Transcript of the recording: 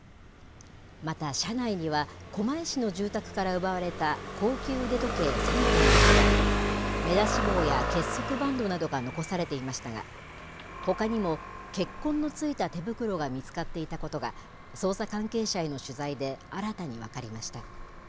また車内には、狛江市の住宅から奪われた高級腕時計３点のほか、目出し帽や結束バンドなどが残されていましたが、ほかにも、血痕のついた手袋が見つかっていたことが、捜査関係者への取材で、新たに分かりました。